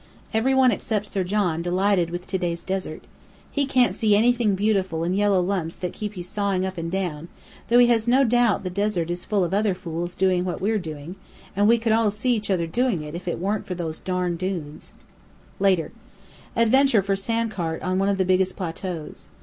Every one except Sir John delighted with to day's desert. He can't see anything beautiful in yellow lumps that keep you sawing up and down, though he has no doubt the desert is full of other fools doing what we're doing; and we could all see each other doing it if it weren't for those darn dunes. Later: Adventure for sandcart on one of the biggest plateaus.